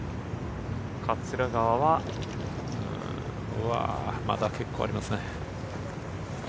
うわ、まだ結構ありますね。